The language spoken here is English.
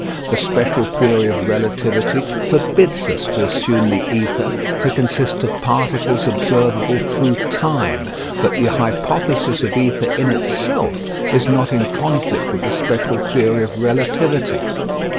The special theory of relativity forbids us to assume the ether to consist of particles observable through time, but the hypothesis of ether in itself is not in conflict with the special theory of relativity.